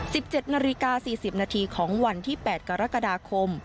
สิบเจ็ดนาฬิกา๔๐นาทีของวันที่๘กรกฎาคม